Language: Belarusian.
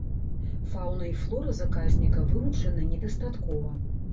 Фаўна і флора заказніка вывучаны недастаткова.